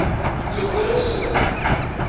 Tuker-asen.